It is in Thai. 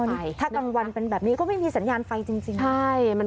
นี่ถ้ากลางวันเป็นแบบนี้ก็ไม่มีสัญญาณไฟจริงใช่